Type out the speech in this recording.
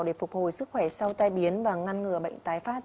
để phục hồi sức khỏe sau tai biến và ngăn ngừa bệnh tái phát